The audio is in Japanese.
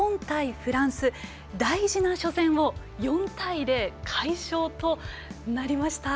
フランス大事な初戦を４対０、快勝となりました。